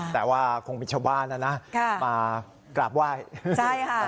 แต่ว่าคงมีชาวบ้านมากราบไหว้